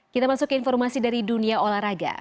kita masuk ke informasi dari dunia olahraga